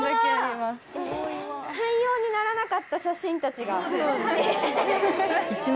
採用にならなかった写真たちが。